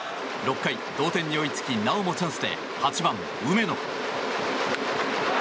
６回、同点に追いつきなおもチャンスで８番、梅野。